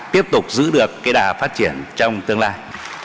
tiếp tục giữ được cái đà phát triển trong tương lai